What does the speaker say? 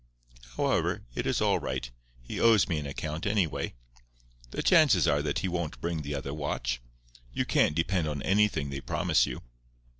However, it is all right. He owes me an account, anyway. The chances are that he won't bring the other watch. You can't depend on anything they promise you.